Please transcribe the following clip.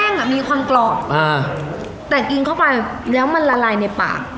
อ่ะมีความกรอบอ่าแต่กินเข้าไปแล้วมันละลายในปาก